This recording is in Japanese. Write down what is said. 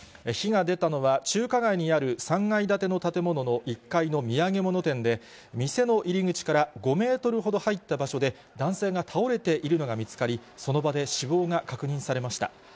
火が出たのは、中華街にある３階建ての建物の１階の土産物店で、店の入り口から５メートルほど入った場所で、男性が倒れているのが見つかり、その場で死亡が確認されました。